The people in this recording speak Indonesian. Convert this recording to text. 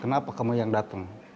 kenapa kamu yang dateng